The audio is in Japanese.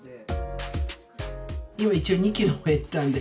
今一応２キロ減ったんで。